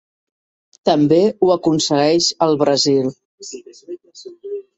També ho aconsegueix al Brasil.